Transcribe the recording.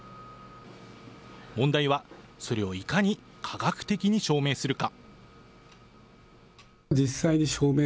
問題は、それをいかに科学的に証明するか。